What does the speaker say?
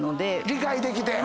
理解できて。